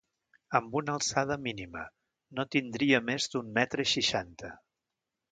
Amb una alçada mínima, no tindria més d'un metre seixanta.